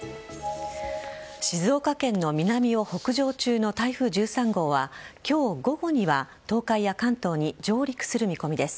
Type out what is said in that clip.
静岡県の南を北上中の台風１３号は今日午後には東海や関東に上陸する見込みです。